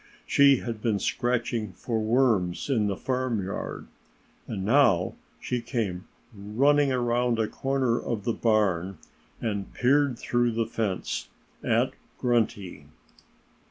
She had been scratching for worms in the farmyard. And now she came running around a corner of the barn and peered through the fence at Grunty.